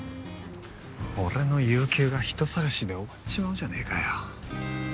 俺の有休が人捜しで終わっちまうじゃねえかよ。